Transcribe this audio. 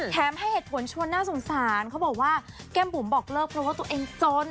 ให้เหตุผลชวนน่าสงสารเขาบอกว่าแก้มบุ๋มบอกเลิกเพราะว่าตัวเองจน